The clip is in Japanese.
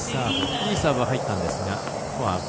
いいサーブが入ったんですが。